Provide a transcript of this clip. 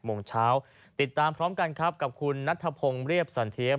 โมงเช้าติดตามพร้อมกันครับกับคุณนัทธพงศ์เรียบสันเทียบ